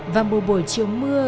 và mùa buổi chiều mưa